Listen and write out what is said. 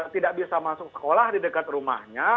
tidak bisa masuk sekolah di dekat rumahnya